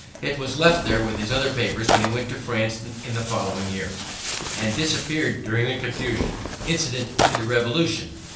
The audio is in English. It was left there with his other papers when he went to France in the following year, and disappeared during the confusion incident to the Revolution.